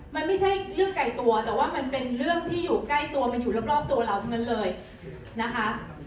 มันไม่ใช่เรื่องไกลตัวแต่ว่ามันเป็นเรื่องที่อยู่ใกล้ตัวมันอยู่รอบตัวเราทั้งนั้นเลยนะคะ